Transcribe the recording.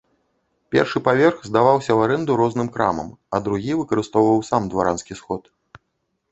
Першы паверх здаваўся ў арэнду розным крамам, а другі выкарыстоўваў сам дваранскі сход.